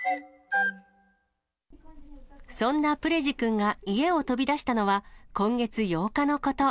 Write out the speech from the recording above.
そんなプレジくんが家を飛び出したのは、今月８日のこと。